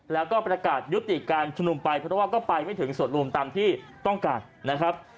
แล้วก็ประกาศยุติการชุมนุมไปเพราะว่าก็ไปไม่ถึงส่วนรวมตามที่ต้องการนะครับ